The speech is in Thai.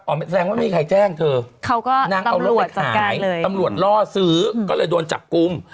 แสดงว่าไม่มีใครแจ้งเธอเขาก็นางเอารถขายเลยตำรวจล่อซื้อก็เลยโดนจับกลุ่ม